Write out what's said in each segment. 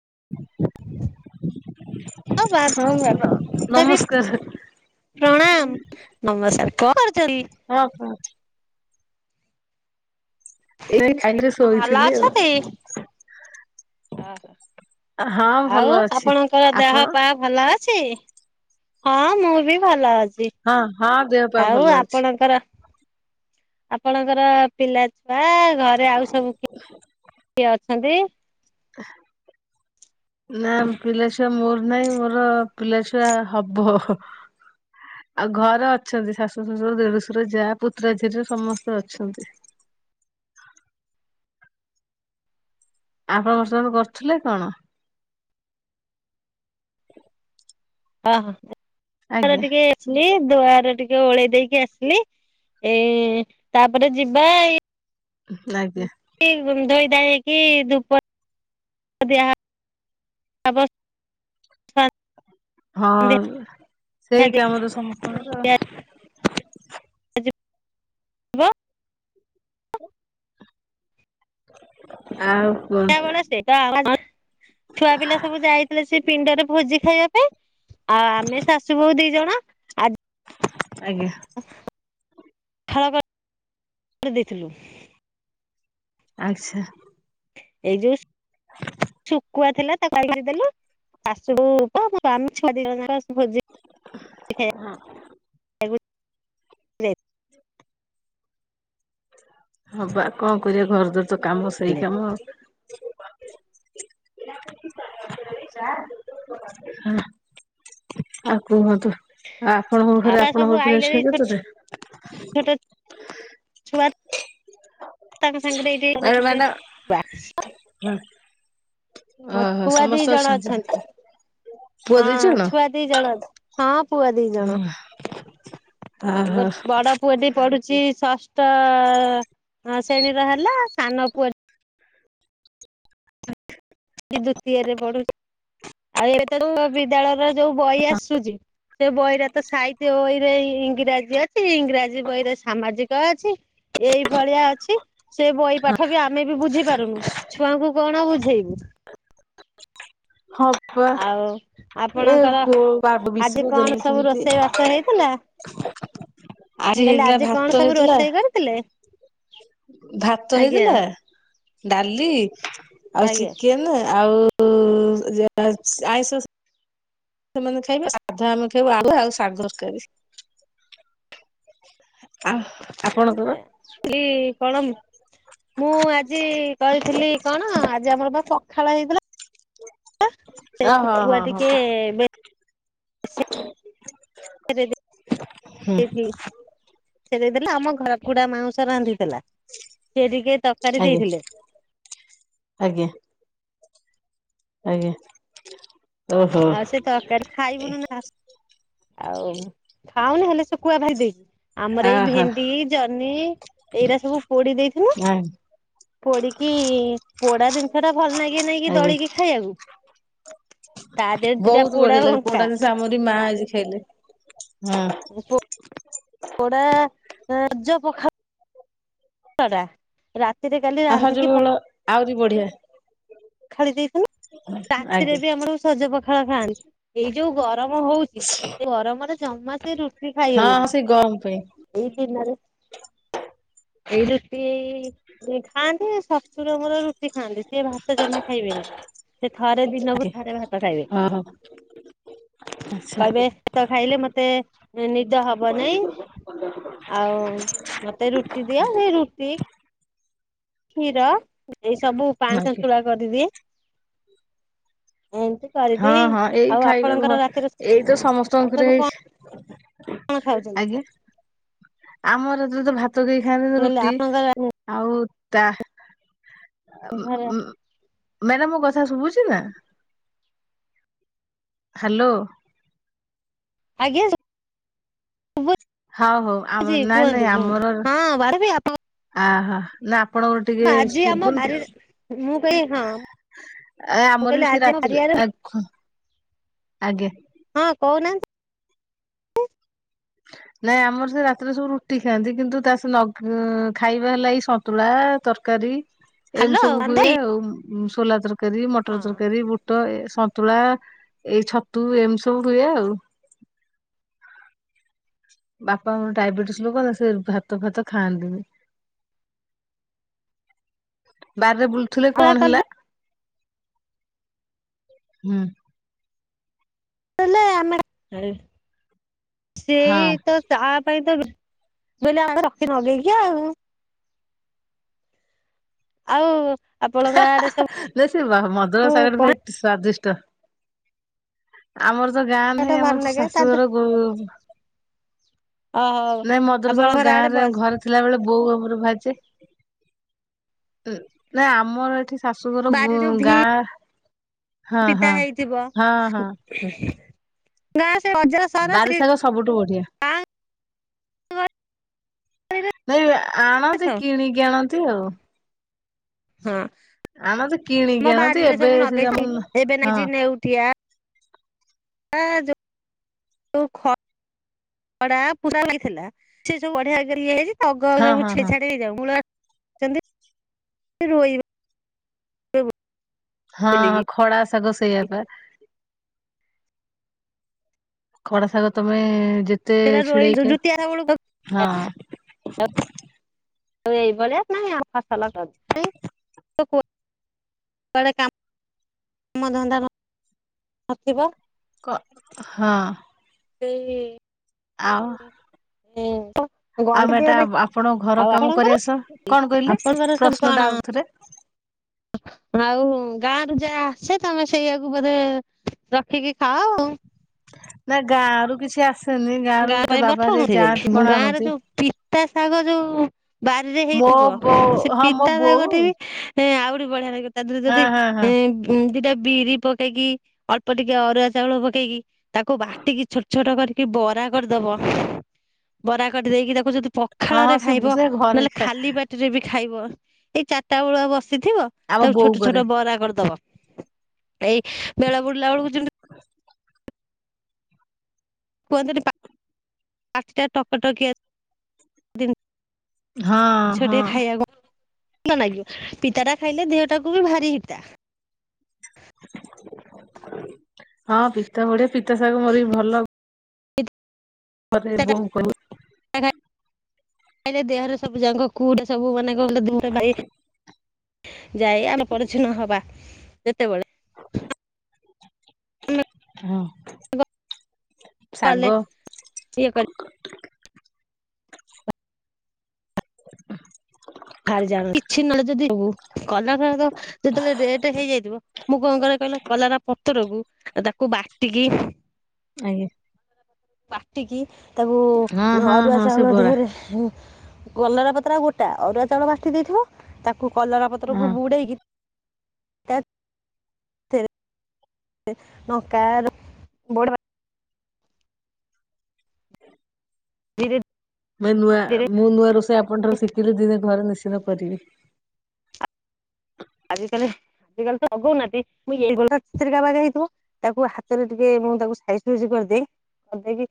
[inaudible] ଆଉ ହଁ ମ୍ୟାଡ଼ାମ ଦେବି ନମସ୍କାର ପ୍ରଣାମ ନମସ୍କାର କଣ କର ରଖ୍ ରଖ୍। ଏଇ ଖାଇରେ ଭଲ ଶୋଇଥିଲି ଆଉ ଆ ହଁ ଭଲ ଆଉ ଅଛି। ଆପଣଙ୍କର ଦେହ ଆପଣ ପା ଭଲ ଅଛି? ହଁ ମୁଁ ବି ଭଲ ଅଛି। ହଁ ହଁ ଦେହ ପା ଆଉ ଭଲ ଅଛି। ଆପଣଙ୍କର ଆପଣଙ୍କର ପିଲା ଛୁଆ ଘରେ ଆଉ ସବୁ କି କିଏ ଛନ୍ତି। [inaudible] ନା ପିଲାଛୁଆ ମୋର ନାଇଁ ମୋର ପିଲାଛୁଆ ହବ। ଆଉ ଘରେ ଅଛନ୍ତି ଶାଶୁ ଶ୍ୱଶୁର ଦେଢୁଶୁର ଯା ପୁତ୍ରାଝିଆରୀ ସମସ୍ତେ ଅଛନ୍ତି। [inaudible] ଆପଣ ବର୍ତମାନ କରୁଥିଲେ କଣ? ଓହୋ ଆଜ୍ଞା ଟିକେ ଆସିଲି ଦୁଆରେ ଟିକେ ଓଳେଇ ଦେଇକି ଆସିଲି ଏ ତାପରେ ଯିବା ଏଇ ଆଜ୍ଞା ଧୋଇ ଧାଇକି ହେଇକି ଧୂପ ଦିଆ [unintelligible] ହଁ ସେଇ କାମ ତ ସମସ୍ତଙ୍କର। ଜି ବ। [inaudible] ସେ କୁହନ୍ତୁ ବଳ ସେ ଛୁଆ ପିଲା ସବୁ ଯାଇଥିଲେ ସେ ପିଣ୍ଡରେ ଭୋଜି ଖାଇବା ପାଇଁ ଆଉ ଆମେ ଶାଶୁ ବୋଉ ଦି ଜଣ ଆ ଆଜ୍ଞା। ଖାଳ ଵା କରିଦେଉଥିଲୁ। ଅଚ୍ଛା! ଏଇ ଯୋଉ ଉସ ଶୁକୁଆ। ଥିଲା ତ କାଲି ସାରିଦେଲୁ, ଶାଶୁ [inaudible] କ ଆମେ ଛୁଆ ଦିଇ ଜଣ ଭୋଜି ହଁ। [inaudible] ହଁ ବା କଣ କରିବା, ଘର ଦର ତ କାମ ସେଇ ଯାଇଥିଲେ କାମ। [inaudible] ହଁ ଆଉ କୁହନ୍ତୁ। ଆଉ ଆପଣଙ୍କ ଘରେ ଆଉ ସବୁ ଆପଣଙ୍କର ପିଲା ଆଇଲେଣି ଶୋଇ ପଡ଼ିଛନ୍ତି? ଛୁଆର ତାଙ୍କ ସାଙ୍ଗରେ ଏଇଠି ରହ ଆରେ ଟିକେ ମ୍ୟାଡ଼ାମ ମୋ ଓହୋ ଛୁଆ ଦି ସମସ୍ତେ ଜଣ ଅଛନ୍ତି। ପୁଅ ଦି ହଁ ଜଣ ଛୁଆ ଦି ଜଣ ଅଛି, ହଁ ପୁଅ ଦି ଜଣ। ଆଉ ଓହୋ। ଗୋଟ ବଡ ପୁଅଟି ପଢୁ ଛି ଷଷ୍ଠ ଅ ଅ ଅ ଶ୍ରେଣୀର ହେଲା ସାନ ପୁଅ ୟେ ଦ୍ଵିତୀୟରେ ପଢୁ, [inaudible] ଆଉ ଇଏ ତେଣୁ ବିଦ୍ୟାଳୟରେ ଯୋଉ ବହି ଆସୁଛି ସେ ବହିରେ ତ ସାଇ ସେ ବହିରେ ଇଂରାଜୀ ଅଛି, ଇଂରାଜୀ ବହିରେ ସାମାଜିକ ଅଛି ଏଇ ଭଳିଆ ଅଛି, ସେ ବହି ପାଠ ବି ଆମେ ବି ବୁଝି ପାରୁନୁ, ଛୁଆଙ୍କୁ କଣ ବୁଝେଇବୁ। ହଁ ହଁ, ଆଉ ଏ ଆପଣଙ୍କର କୋଉ ଵାତ ଆଜି କଣ ବିଶୁଦେଲି ସବୁ ସେମିତି। ରୋଷେଇ ବାସ ହେଇଥିଲା [unintelligible] ମୁଁ କହିଲି ହେଇଥିଲା ଆଜି ଭାତ କ'ଣ ସବୁ ହେଇଥିଲା ରୋଷେଇ କରିଥିଲେ? ଭାତ ଆଜ୍ଞା ହେଇଥିଲା ଡାଲି, ଆଉ ଆଜ୍ଞା ଚିକେନ ଆଉ ଉ ଉ ଉ ଯାହା ଆଇଁଷ ସେମାନେ ଖାଇବେ, ସାଧା ଆମେ ଖାଇବୁ, ଆଳୁ ଆଉ ଶାଗ କରି। ଅହ ଆଜ୍ଞା, ସେଠି କଳମ ମୁଁ ଆଜି କରିଥିଲି କଣ ଆଜି ଆମର ବା ପଖାଳ ହେଇଥିଲା। ସେ ଓ ଶୁକୁଆ ଟିକେ ବେ ହ [inaudible] ହୁଁ। ଦେଇଥିଲି। ସେ ଦେଇଦେଲା ଆମ ଘର କୁକୁଡ଼ା ମାଉଁସ ରାନ୍ଧି। ହେଲା ସେ ଟିକେ ତରକାରୀ ଆଜ୍ଞା ଦେଇଥିଲେ। ଆଜ୍ଞା ଆଜ୍ଞା, ଓହୋ। ଆଉ ସେ ତରକାରୀ ଖାଇବୁନୁ ନୁ ଆସ ଆଉ ଖାଉନୁ ହେଲେ ଶୁଖୁଆ ଭାଜି ଦେଇଛିି। ଆମର ଏଇ ଭେଣ୍ଡି, ଆହା ଜହ୍ନି ଏଇରା ସବୁ ପୋଡି ଦେଇଥିଲୁ। ପୋଡିକି ପୋଡା ଜିନିଷ ଟା ଭଲ ଲାଗେ ନାଇଁ କି ଆଜ୍ଞା। ଦଳିକି ଖାଇବାକୁ। ତା ଦେହରେ ଦିଟା ବହୁତ ପୋଡା ବଢିଆ ଲାଗେ, ଲଙ୍କା ପୋଡା ଜିନିଷ ଆମରି ମା ଶିଖେଇଲେ, ହୁଁ ପୋଡା ରଜ ପଖା [inaudible] କଉଁଟା ରା [inaudible] ଆହୁରି ବଢିଆ, ଖାଳି ଦିପୁ ରାତିରେ ଆଜ୍ଞା ବି ଆମର ସଜ ପଖାଳ ଖାଆନ୍ ଏଇ ଯୋଉ ଗରମ ହଉଛି ସେ ଗରମରେ ଜ ଜମା ସେ ରୁଟି ଖାଇ ହଁ ହଁ ହଉନି ସେଇ ଗରମ ପାଇଁ ଏଇ ଦିନରେ ଏଇ ରୁଟି କରି ଖାଆନ୍ତି ଶଶୁର ମୋର ରୁଟି ଖାଆନ୍ତି। ସେ ଭାତ ଜମା ଖାଇବେନି ସେ ଥରେ ଦିନକୁ ଆଜ୍ଞା। ଥରେ ଭାତ ଖାଇବେ। ଓହୋ ଆଚ୍ଛା କହିବେ ଭାତ ଖାଇଲେ ମତେ ନିଦ ହବ ନାଇଁ। ଆଉ ମତେ ରୁଟି ଦିଅ ମୁଁ ରୁଟି କ୍ଷୀର ଏଇ ସବୁ ପାଣି ଆଜ୍ଞା ସନ୍ତୁଳା କରିଦିଏ। ଏମିତି ହଁ କରିଦିଏ ହଁ ଏଇ ଆଉ ଖାଇବେ ମ ଆପଣଙ୍କର ରାତିରେ ଏଇ ତ ସମସ୍ତଙ୍କର ସବୁ କଣ ଘରେ କଣ ଖାଉଚନ୍ତି? ଆଜ୍ଞା ଆମର ତ ଭାତ କେହି ଖାଆନ୍ତିନି ରୁଟି ଆପଣଙ୍କର ଆଉ ତା ଉ ଉଁ। ମ୍ୟାଡ଼ାମ ମୋ କଥା ଶୁଭୁଚି ନା ହାଲୋ। ଆଜ୍ଞା। ଶୁଭୁଛି ହଉ ହଉ ଆମ ନାଇଁ କୁହନ୍ତୁ ନାଇଁ କୁହନ୍ତୁ ଆମର ହଁ ବାନ୍ଧବୀ ଆପଣ ଅହୋ ଆପଣଙ୍କର ଟିକେ ଆଜି ସୁୁ ଆମ ବାରିରେ ମୁଁ କହିଲି ହଁ ଆ ମୁଁ ଆମର ବି କହିଲି ସେ ଆଜି ଆମ ରାତିରେ ବାରିଆଡେ ହଁ ଆଗ୍ ଆଜ୍ଞା। କହୁନାହା ନ୍ତି। [inaudible] ନାଇଁ ଆମର ସେ ରାତିରେ ସବୁ ରୁଟି ଖାଆନ୍ତି କିନ୍ତୁ ତା ସେ ନଗ ଖାଇବା ହେଲା ଏଇ ସନ୍ତୁଳା ତରକାରୀ। ଏମିତି ହ୍ୟାଲୋ ସବୁ ହୁଏ ବାନ୍ଧବୀ ଆଉ ସୋଲା ତରକାରୀ ମଟର ତରକାରୀ ବୁଟ ଏ ସନ୍ତୁଳା ଏଇ ଛତୁ ଏମି ସବୁ ହୁଏ ଆଉ। ବାପା ମର ଡାଇବେଟିସ ଲୋକ ନା ସେ ଭାତ ଫାତ ଖାଆନ୍ତିନି। ବାରରେ ବୁଲୁଥିଲେ କଣ ହେଲା? ହୁଁ। ଲେ ଆମେ ଏ ହଁ ସେଇ ତ ତା ପାଇଁ ତ ବୋଇିଲ ଆମ ରଖି ନଗେଇକି ଆଉ। ଆଉ? ଆପଣଙ୍କ ହା ହା ଆଡେ ହା ଦେଶ ବା ମଧୁର ସବୁ ସାଗର କଣ ଭାଇ ସ୍ଵାଦିଷ୍ଟ। ଆମର ତ ଗାଁ ନାହିଁ ଭଲ ଆମର ତ ଲାଗେ ତା ଶାଶୁଘର ଗୋ ଓହୋ ନାଇଁ ମଦରସ ଆପଣ ଆମ ଘର ଆଡେ ଗାଁରେ ବସ୍ ଘରେ ଥିଲା ବେଳେ ବୋଉଆମର ଭାଜେ ନା ଆମର ଏଠି ଶାଶୁଘର ବାରି ଗୁ ଯୋଉ ଭି ଗାଁ ହଁ ହଁ ପିତା ହେଇଥିବ, ହଁ ହଁ ଗାଁ ସେ ବଜାର ସହର ସେ ବାରି ଶାଗ ସବୁଠୁ ବଢିଆ। ଗାଁ ନାଇଁ ଆଣନ୍ତି ସବୁ କିଣିକି ଆଣନ୍ତି ଆଉ। ହୁଁ ଆଣନ୍ତି କିଣିକି ମୋ ଆଣନ୍ତି ବାରିରେ ଏବେ ସବୁ ସେ ଆମ ନଗେଇଚି, ହଁ ଏବେ ନାଇଚି ନେଉଟିଆ। ହଁ ଯ ଉ ଖ ଖଡ଼ା ପୁରା ହେଇଥିଲା ସେ ଯୋଉ ବଢିଆ କି ଇଏ ହେଇଚି। ଅଗ ହଁ ସବୁ ହଁ ଛ ହଁ ଛାଡି ହେଇଯାଉ ମୂଳ ଚନ୍ତି ରୋଇ ହଁ ବୋଲିକି ହଁ ଖଳା ସାଗ ସେଇଆ ପା। ଖଡ଼ା ଶାଗ ତମେ ଯେତେ ସେଟା ରୋଇ ଛିଡେଇକ ଜୁତିଆ ବେଳକୁ ହଁ ଏଇ ଭଳିଆ ନାଇ ଆଉ ଫସଲ [unintelligible] କୁଆଡ଼େ କାମ ମ ଧନ୍ଦା ନଥିବ। କ ହଁ। ସେଇ ଆଉ? ହୁଁ। ଆମେ ଏଟା ଆପଣଙ୍କ ଘର କାମ କରି ଆସ, କଣ କହିଲେ ଆପଣଙ୍କର ସବୁ ପ୍ରଶ୍ନ ଟା କଣ ଆଉ ଥରେ [inaudible] ଆଉ ଗାଁରୁ ଯାହା ଆସେ ତମେ ସେଇଆାକୁ ବୋଧେ ରଖିକି ଖାଅ ଆଉ? ନା ଗାଁ ରୁ କିଛି ଆସ ସେନି, ଗାଁରୁ ଗାଁ ଯେତେ ପାଇଁ ବାବା ହାର ପଠଉନଥିବେ ଯାଆନ୍ତି କି କଣ ଗାଁ ରେ ଆଣଥିବେ। ଯୋଉ ପିତା ଶାଗ ଯୋଉ ବାରିରେ ହେଇଥିବ ସେ ହଁ ମୋ ପିତା ଶାଗ ବୋଉ ଟେ ବି ଏ ଆଉରିି ବଢିଆ ଲା ତା ଦେହରେ ହଁ ଯଦି ହଁ ହଁ ଏ ଦିଟା ବିରି ପକେଇକି ଅଳ୍ପ ଟିକେ ଅରୁଆ ଚାଉଳ ପକେଇକି ତାକୁ ବାଟିକି ଛୋଟ ଛୋଟ କରିକି ବ ବରା କରିଦବ। ବରା କରିଦେଇକି ତାକୁ ଯଦି ହଁ ପଖାଳରେ ହଁ ସେ ଖାଇବ ସେ ଘରେ ନହେଲେ ଖା ଖାଲି ପାଟିରେ ବି ଖାଇବ ଏଇ ଚାରିଟା ବେଳଆ ବସ ଶିଥିବ ଆମ ତାକୁ ବୋଉ ଛୋଟ କରେ। ଛୋଟ ବରା କରିଦବ। ଏଇ ବେଳ ବୁଡିଲା ବେଳକୁ ଯେମିତି କୁହନ୍ତିନି ପା ପାଟିଟା ଟକଟକିଆ ହଁ ହଁ। ଟିକେ ଖାଇବାକୁ [unintelligible] ପିତାଟା ଖାଇଲେ ଦେହଟାକୁ ବି ଭାରି ହିତା। ହଁ ପିତା ଭଳିଆ ପିତା ଶାଗ ମୋର ବି ଭଲ [unintelligible] ଖାଇଲେ ଦେହରେ ସବୁ ଯାକ [unintelligible] ସବୁ ମାନେ। [unintelligible] ଯାଇ ଆମେ ପରିଚ୍ଛନ୍ନ ହବା। ଯେତେବେଳେ ହଁ। ଶାଗ [unintelligible] [inaudible] ଭାରି ଯାଣ କିଛି ନହେଲେ ଯଦି ଗଲା ବେଳକ ଯେତେବେଳେ ରେଟ ହେଇଯାଇଥିବ ମୁଁ କଣ କରେ କହିଲ କଲରା ପତରକୁ ତାକୁ ବାଟିକି ଆଜ୍ଞା। ବାଟିକି ତାକୁ ହଁ ହଁ ଅରୁଆ ହଁ ସେ ଚାଉଳ ବରା ଦେହରେ କଲରା ପତ୍ର ଗୋଟା ଅରୁଆ ଚାଉଳ ବାଟି ଦେଇଥିବ ତାକୁ କଲରା ପତ୍ରକୁ ହଁ। ବୁଡେଇକି। [unintelligible] ନଙ୍କା ର। [unintelligible] [unintelligible] ମ ନୂଆ ମୁଁ ନୂଆ ରୋଷେଇ ଆପଣ ଠାରୁ ଶିଖିଲି ଦିନେ ଘରେ ନି ଶ୍ଚିତ କରିବି। [unintelligible] ହେଇଥିବ ତାକୁ ହାତରେ ଟିକେ ମୁଁ ତାକୁ ସାଇଜ୍ ଫାଇଜ୍ କରିଦିଏ। କରଦେଇକି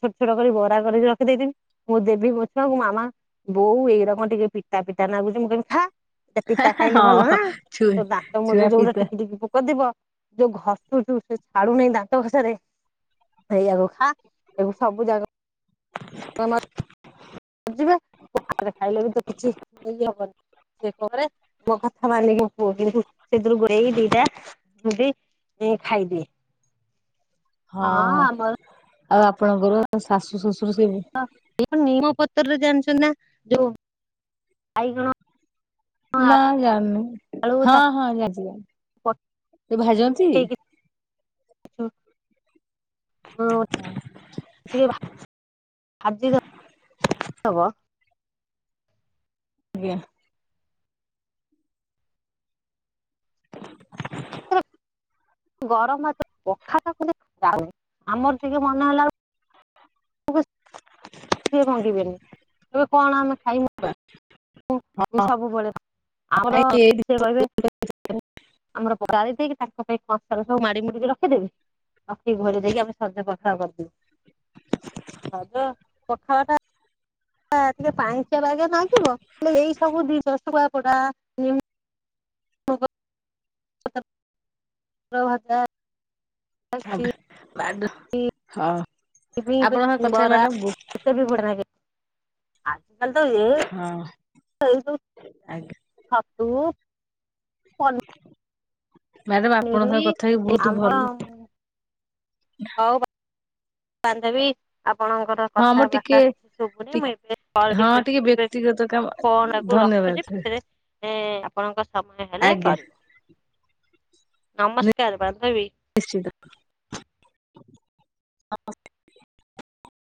ଛୋଟ ଛୋଟ କରି ବରା କରିକି ରଖି ଦେଇଥିବି। ମୁଁ ଦେବି ମୋ ଛୁଆଙ୍କୁ ମାମା ବୋଉ ଏଇରା କଣ ଟିକେ ପିଠା ପିତା ନାଗୁଛି ମୁଁକହିବି ଖା ପିତା ଖାଇଲେ ଭଲ ନା। ହଁ ଛୁଆ ତୋ ଦାନ୍ତ ମୂଳରେ ଛୁଆ ଯୋଉ ପିତା ଟିକି ଟିକି ପୋକ ଥିବ ଯୋଉ ଘସୁଚୁ ସେ ଛାଡୁନେଇ ଦାନ୍ତ ଘସାରେ ଏଇଆକୁ ଖା। ଏବେ ସବୁ ଜାଗ [unintelligible] ବୁଝିବେ ରେ ଖାଇଲେ ବି ତ କିଛି ଇଏ ହବନି ସେ [unintelligible] ମୋ କଥା ମାନିକି ମୋ ପୁଅ ଝିଅ ଙ୍କୁ ସେଥିରୁ ଗୁରେଇକି ଦିଟା [unintelligible] ଖାଇଦିଏ। ହଁ ଆଉ ଆପଣଙ୍କର ଶାଶୁ ଶଶୁ ହଁ ନିମ ପତ୍ରରେ ଜାଣିଛନ୍ତି ନା ଯୋଉ ବାଇଗଣ ନା ଜାଣିନି। ଆଳୁ ହଁ ତାକୁ ହଁ ଜାଣିଚି ଜାଣିଚି। ସେ ଭାଜନ୍ତି? ପକେଇକି [inaudible] ହଁ ଟିକେ ଭା ଭାଜି ଦ ଦବ ଆଜ୍ଞା। [inaudible] ଗରମ ଭାତରେ ପଖାଳ କଲେ [unintelligible] ଆମର ଟିକେ ମନେ ହେଲା ବେଳ କୁ [unintelligible] ସିଏ ଭାଙ୍ଗିବେନି କହିବେ କଣ ଆମେ ଖାଇନୁ ମୁଁ ସବୁବେଳେ ଆମର ନାଇଁ ଏଇଠି ସେ କହିବେ ଆମର ଗାଳିଦେଇକି ତାଙ୍କ ପାଇଁ। [unintelligible] ରଖିଦେବି ରଖିକି ଘରେ ଯାଇକି ଆମେ ସଜ ପଖା କରିଦେବୁ। ସଜ ପଖାଲଟା ହ ଟିକେ ପାଇଞ୍ଚିଆ ପାଇଞ୍ଚିଆ ନାଗିବ ହେଲେ ଏଇ ସବୁ [unintelligible] [unintelligible] ଆଜି [inaudible] ଆପଣଙ୍କ କଥା ମ୍ୟାଡାମ ହଁ [unintelligible] ହଁ। ସାଇନ୍ତୁ ତୁ ମ୍ୟାଡାମ ଆପଣଙ୍କ ସହ ପନିରି କଥା ହେଇକି ବୋହୁତ ଆମର ଭଲ ହଉ [unintelligible] ପାନ୍ଦ ବି। ଆପଣଙ୍କର ହଁ ମୁଁ କଥାବାର୍ତ୍ତା ଟିକେ କିଛି ଶୁଭୁନି ମୁଁ ଏବେ ହଁ କଲଟିକୁ ଟିକେ ବ୍ୟକ୍ତିଗତ କାମ ରଖୁଚି ଧନ୍ୟବାଦ ରଖୁଛି ପଛରେ ଏ ଆପଣଙ୍କ ସମୟ ହେଲେ ଆଜ୍ଞା କରିବ ନମସ୍କାର ବାନ୍ଧବୀ ନିଶ୍ଚତ